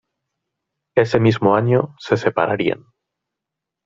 Ese mismo año, se separarían.